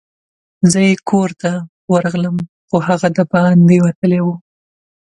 زه یې کور ته ورغلم، خو هغه دباندي وتلی وو.